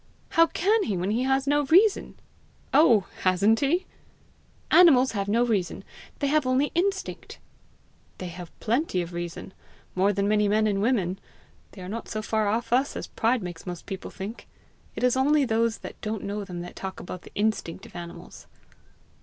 "How can he when he has no reason!" "Oh, hasn't he!" "Animals have no reason; they have only instinct!" "They have plenty of reason more than many men and women. They are not so far off us as pride makes most people think! It is only those that don't know them that talk about the instinct of animals!"